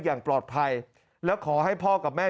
อย่างปลอดภัยแล้วขอให้พ่อกับแม่